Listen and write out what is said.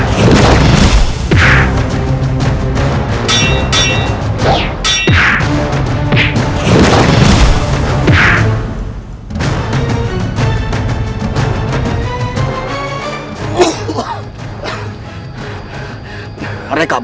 sudah besar hidup